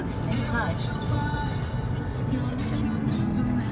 はい。